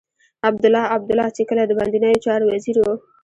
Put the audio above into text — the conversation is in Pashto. عبدالله عبدالله چې کله د باندنيو چارو وزير و.